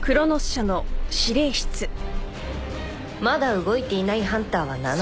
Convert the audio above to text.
まだ動いていないハンターは７体。